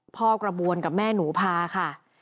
กระบวนกับแม่หนูพาค่ะ